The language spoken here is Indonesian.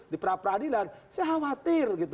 di pra pra adilan saya khawatir